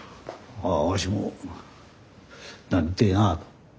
ああわしもなりてえなと。